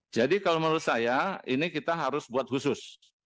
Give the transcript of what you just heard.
jadi kalau menurut saya ini kita harus buat khusus